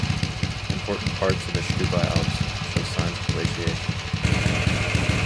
Important parts of the Stubai Alps show signs of glaciation.